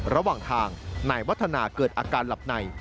ระหว่างทางนายวัฒนาเกิดอาการหลับใน